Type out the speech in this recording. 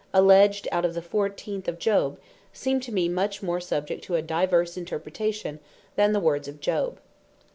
alledged out of the 14 of Job, seem to mee much more subject to a divers interpretation, than the words of Job.